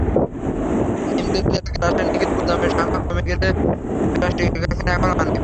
নিমতলী এলাকায় রাসায়নিকের গুদামের সংখ্যা কমে এলেও প্লাস্টিকের কারখানা এখনো অনেক।